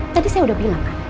tadi saya udah bilang